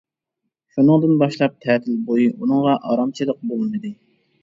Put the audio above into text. شۇنىڭدىن باشلاپ تەتىل بويى ئۇنىڭغا ئارامچىلىق بولمىدى.